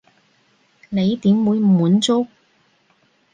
你點會滿足？